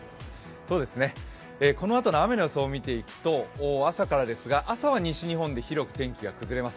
このあとの雨の予想見ていくと朝からですが朝は西日本で広く天気が崩れます。